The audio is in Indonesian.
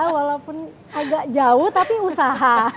walaupun agak jauh tapi usaha